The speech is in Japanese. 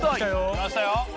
来ましたよ。